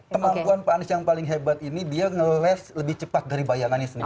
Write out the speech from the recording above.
kemampuan pak anies yang paling hebat ini dia ngeles lebih cepat dari bayangannya sendiri